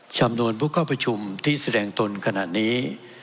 จำนวนผู้เข้าประชุมที่แสดงตนขนาดนี้